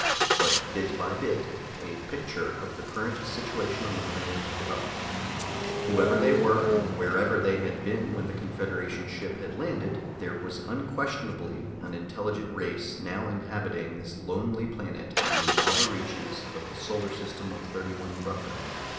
But bit by bit, a picture of the current situation on the planet developed. Whoever they were and wherever they had been when the Confederation ship had landed, there was unquestionably an intelligent race now inhabiting this lonely planet in the outer reaches of the solar system of 31 Brucker.